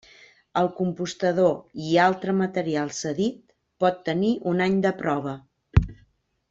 El compostador i altre material cedit pot tenir un any de prova.